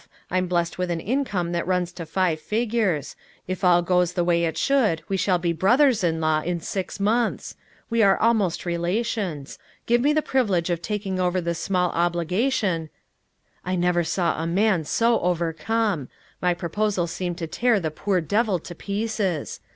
I'm blessed with an income that runs to five figures. If all goes the way it should we shall be brothers in law in six months. We are almost relations. Give me the privilege of taking over this small obligation " I never saw a man so overcome. My proposal seemed to tear the poor devil to pieces.